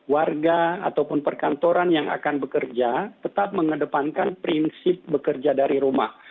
warga ataupun perkantoran yang akan bekerja tetap mengedepankan prinsip bekerja dari rumah